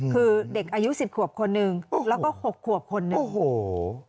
คือเด็กอายุสิบขวบคนหนึ่งแล้วก็๖ขวบคนหนึ่งโอ้โห